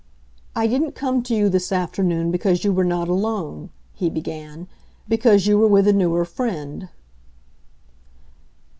"I didn't come to you this afternoon because you were not alone," he began; "because you were with a newer friend."